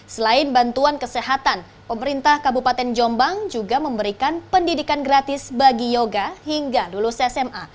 selain bantuan kesehatan pemerintah kabupaten jombang juga memberikan pendidikan gratis bagi yoga hingga lulus sma